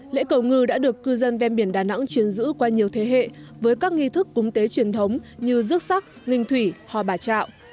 lễ cầu ngư đã được cư dân ven biển đà nẵng truyền giữ qua nhiều thế hệ với các nghi thức cúng tế truyền thống như rước sắc nghình thủy hò bà trạo